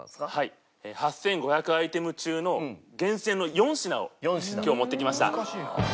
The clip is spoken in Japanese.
８５００アイテム中の厳選の４品を今日持ってきました。